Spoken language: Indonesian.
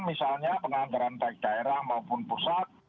misalnya penganggaran baik daerah maupun pusat